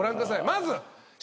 まず。